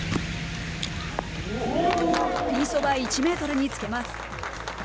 ピンそば１メートルにつけます。